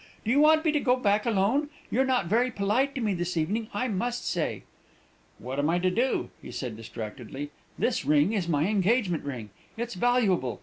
"Do you want me to go back alone? You're not very polite to me this evening, I must say." "What am I to do?" he said distractedly. "This ring is my engagement ring; it's valuable.